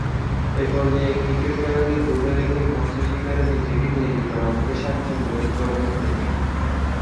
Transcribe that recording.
এ পর্যায়ে ক্রিকেট খেলাকে দূরে রেখে মৎস্য শিকারে নিজেকে নিয়োজিত রাখতে স্বাচ্ছন্দ্যবোধ করতেন তিনি।